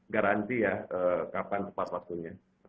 garanti ya kapan sepatu patunya